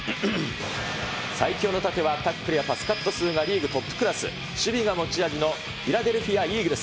最強の盾は、タックルやパスカット数がリーグトップ、守備が持ち味のフィラデルフィア・イーグルス。